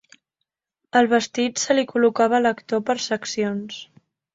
El vestit se li col·locava a l'actor per seccions.